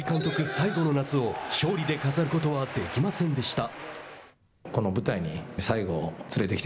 最後の夏を勝利で飾ることはできませんでした。